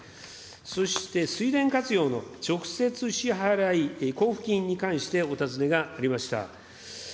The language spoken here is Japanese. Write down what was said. そして、水田活用の直接支払交付金に関してお尋ねがありました。